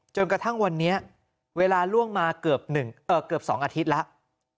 จนกระทั่งวันนี้เวลาล่วงมาเกือบหนึ่งเอ่อเกือบสองอาทิตย์แล้ว